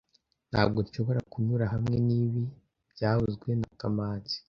Ntabwo nshobora kunyura hamwe nibi byavuzwe na kamanzi